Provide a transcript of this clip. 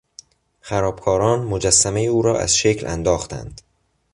خرابکاران مجسمه او را از شکل انداختند.